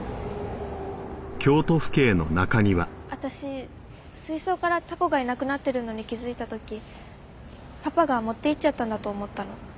私水槽からタコがいなくなってるのに気づいた時パパが持っていっちゃったんだと思ったの。